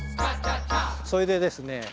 それでですね